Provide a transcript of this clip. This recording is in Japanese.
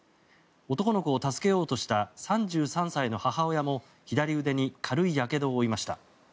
男の子を助けようとした３３歳の母親も左腕に軽いやけどを負いました。